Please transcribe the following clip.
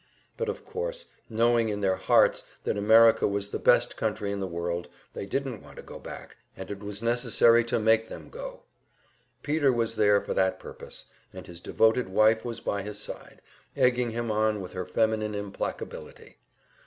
But of course, knowing in their hearts that America was the best country in the world, they didn't want to go back, and it was necessary to make them go. Peter was there for that purpose, and his devoted wife was by his side, egging him on with her feminine implacability.